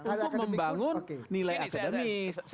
untuk membangun nilai akademis